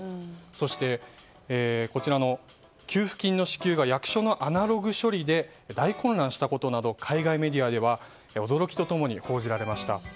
そして、給付金の支給が役所のアナログ処理で大混乱したことなど海外メディアで報じられました。